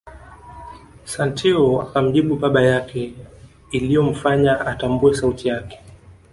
Santeu akamjibu baba yake iliyomfanya atambue sauti yake